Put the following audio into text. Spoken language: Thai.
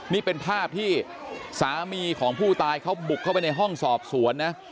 นี่เป็นภาพที่สามีของผู้ตายเขาบุกเข้าไปในห้องสอบสวนนะ